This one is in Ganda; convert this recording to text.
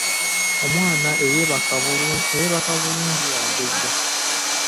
Omwana eyeebaka obulungi agejja.